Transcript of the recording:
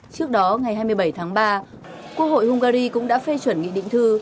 trước đó ngày hai mươi bảy tháng ba quốc hội hungary cũng đã phê chuẩn nghị định thư